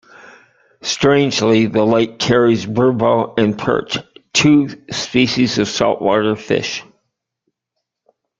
Strangely, the lake carries burbot and perch, two species of saltwater fish.